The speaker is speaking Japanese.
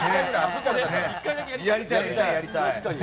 １回だけやりたいですね。